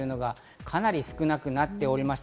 かなり少なくなっております。